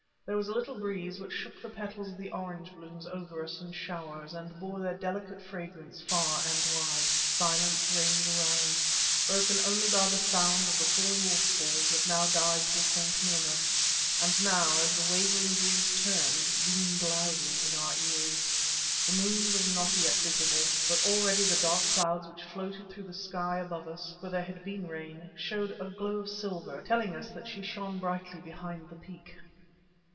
There was a little breeze which shook the petals of the orange blooms over us in showers, and bore their delicate fragrance far and wide. Silence reigned around, broken only by the sound of the falling waterfalls that now died to a faint murmur, and now, as the wavering breeze turned, boomed loudly in our ears. The moon was not yet visible, but already the dark clouds which floated through the sky above us—for there had been rain—showed a glow of silver, telling us that she shone brightly behind the peak.